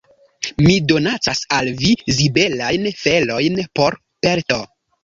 Mi donacas al vi zibelajn felojn por pelto!